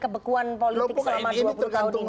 kebekuan politik selama dua puluh tahun ini